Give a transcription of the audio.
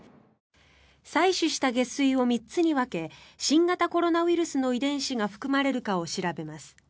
採取した下水を３つに分け新型コロナウイルスの遺伝子が含まれるかを調べます。